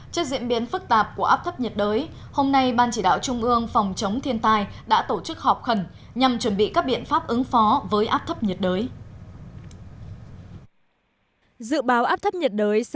trước diễn biến phức tạp của áp thấp nhiệt đới hôm nay ban chỉ đạo trung ương phòng chống thiên tai đã tổ chức họp khẩn nhằm chuẩn bị các biện pháp ứng phó với áp thấp nhiệt đới